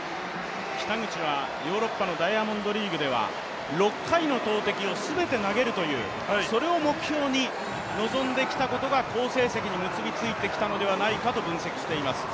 北口はヨーロッパのダイヤモンドリーグでは６回の投てきを全て投げるというそれを目標に臨んできたことが好成績に結びついたんじゃないかと分析しています。